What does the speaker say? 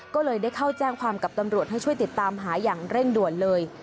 ก็เลยได้เข้าแจ้งความกับตำรวจให้ช่วยติดตามหาอย่างเร่งด่วนเลย